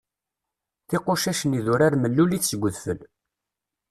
Tiqucac n yidurar mellulit seg udfel.